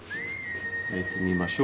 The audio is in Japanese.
焼いてみましょう。